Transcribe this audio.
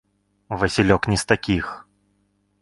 Васілёк не з такіх.